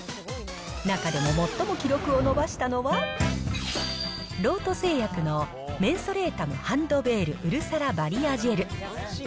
中でも最も記録を伸ばしたのは、ロート製薬のメンソレータムハンドベールうるさらバリアジェル。